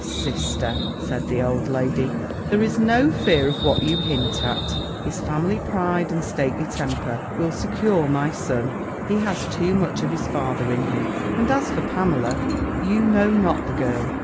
sister,' said the old lady, 'there is no fear of what you hint at; his family pride, and stately temper, will secure my son: he has too much of his father in him. And as for Pamela, you know not the girl.